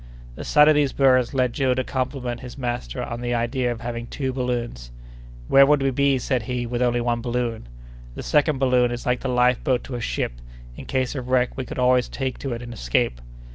The sight of these birds led Joe to compliment his master on the idea of having two balloons. "Where would we be," said he, "with only one balloon? The second balloon is like the life boat to a ship; in case of wreck we could always take to it and escape."